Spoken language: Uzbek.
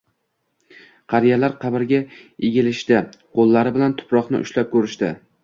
Qariyalar qabrga egilishdi, qoʻllari bilan tuproqni ushlab koʻrishdi.